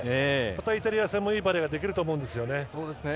イタリア戦もまたいいバレーができると思います。